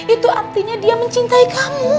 itu artinya dia mencintai kamu